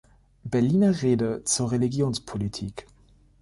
Berliner Rede zur Religionspolitik".